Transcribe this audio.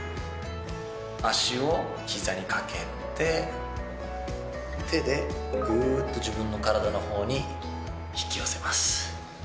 足を膝に掛けて手でぐーっと自分の体の方に引き寄せます。